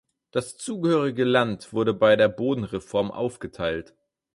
Das zugehörige Land wurde bei der Bodenreform aufgeteilt.